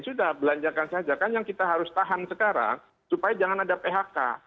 sudah belanjakan saja kan yang kita harus tahan sekarang supaya jangan ada phk